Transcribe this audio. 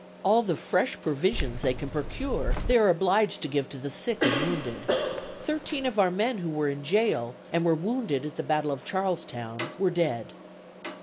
All the fresh provisions they can procure they are obliged to give to the sick and wounded. Thirteen of our men who were in jail, and were wounded at the battle of Charlestown, were dead.